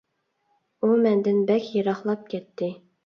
ئۇ مەندىن بەك يىراقلاپ كەتتى.